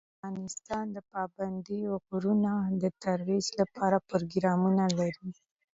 افغانستان د پابندی غرونه د ترویج لپاره پروګرامونه لري.